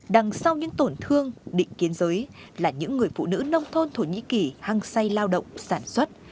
đằng sau những tổn thương định kiến giới là những người phụ nữ nông thôn thổ nhĩ kỳ hăng say lao động sản xuất